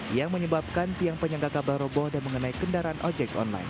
yang menyebabkan tiang penyangga kabel roboh dan mengenai kendaraan ojek online